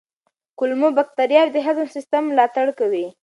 کولمو بکتریاوې د هضم سیستم ملاتړ کوي.